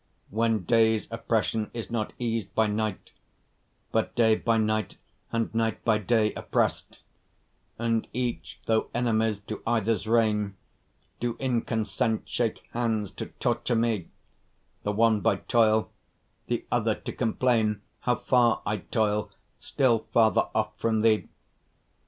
When day's oppression is not eas'd by night, But day by night and night by day oppress'd, And each, though enemies to either's reign, Do in consent shake hands to torture me, The one by toil, the other to complain How far I toil, still farther off from thee.